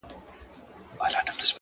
هوښیار انتخاب پښېماني راکموي.!